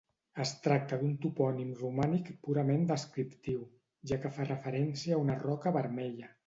Es tracta d'un topònim romànic purament descriptiu, ja que fa referència a una roca vermella.